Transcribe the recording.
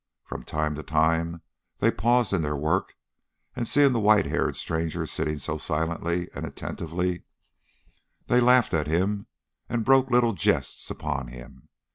From time to time they paused in their work, and seeing the white haired stranger sitting so silently and attentively, they laughed at him and broke little jests upon him.